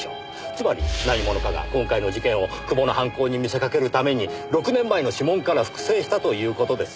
つまり何者かが今回の事件を久保の犯行に見せかけるために６年前の指紋から複製したという事です。